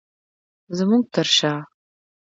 زمونږ تر شاه